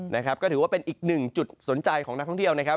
นะครับก็ถือว่าเป็นอีกหนึ่งจุดสนใจของนักท่องเที่ยวนะครับ